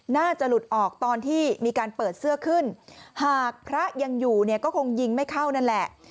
น่าจะหลุดออกตอนที่มีการเปิดเสื้อขึ้นหากพระยังอยู่เนี่ยก็คงยิงไม่เข้านั่นแหละ